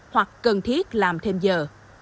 do cần thiết làm thêm giờ